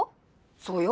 そうよ！